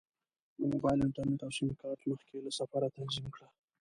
د موبایل انټرنیټ او سیم کارت مخکې له سفره تنظیم کړه.